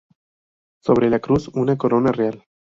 Sobre la cruz una corona real.